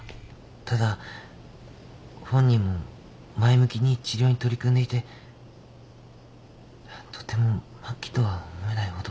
ただ本人も前向きに治療に取り組んでいてとても末期とは思えないほど。